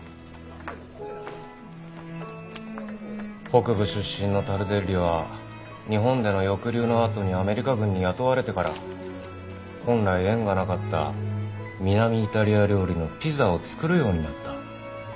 北部出身のタルデッリは日本での抑留のあとにアメリカ軍に雇われてから本来縁がなかった南イタリア料理のピザを作るようになった。